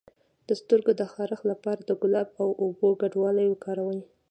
د سترګو د خارښ لپاره د ګلاب او اوبو ګډول وکاروئ